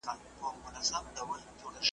هم پروا نه لري ,